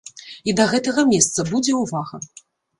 І да гэтага месца будзе ўвага.